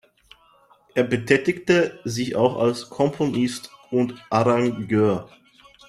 Er betätigte sich auch als Komponist und Arrangeur.